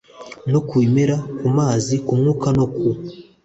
no ku bimera ku mazi ku mwuka no ku